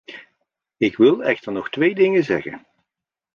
Ik wil echter nog twee dingen zeggen.